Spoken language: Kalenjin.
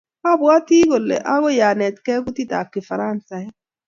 Abwati kole agoi anetgei kutitab kifaransaik